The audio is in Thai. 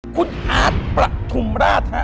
คุณอาจประทุมราธะ